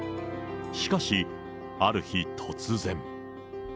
しかし、ある日突然。